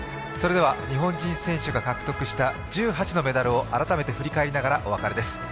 それでは日本人選手が獲得した１８のメダルを振り返りながらお別れです。